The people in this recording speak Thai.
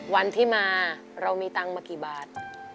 วันที่มาเรามีตังค์มากี่บาท